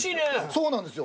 そうなんですよ。